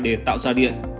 để tạo ra điện